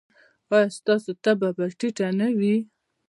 ایا ستاسو تبه به ټیټه نه وي؟